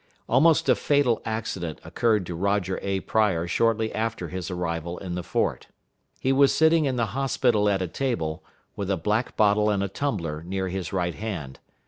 Almost a fatal accident occurred to Roger A. Pryor shortly after his arrival in the fort. He was sitting in the hospital at a table, with a black bottle and a tumbler near his right hand.